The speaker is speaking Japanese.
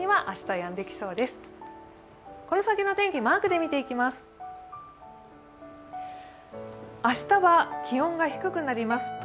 明日は気温が低くなります。